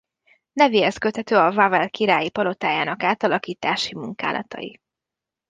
Nevéhez köthető a Wawel királyi palotájának átalakítási munkálatai.